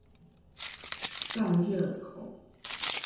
散熱孔